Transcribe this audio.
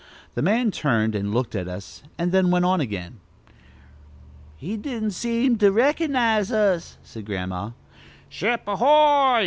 The man turned and looked at us, and then went on again. "He don't seem to recognize us," said Grandma. "Ship a hoy!